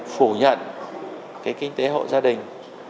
phủ nhận cái kinh tế hộ gia đình